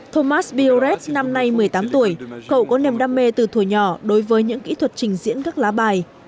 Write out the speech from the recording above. thomas bioret năm nay một mươi tám tuổi cậu có niềm đam mê từ tuổi nhỏ đối với những kỹ thuật trình diễn các lá bài